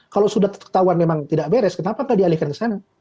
kalau sudah ketahuan memang tidak beres kenapa nggak dialihkan ke sana